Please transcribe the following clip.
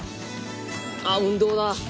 あっ運動だ。